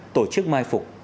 tổ chức mai phục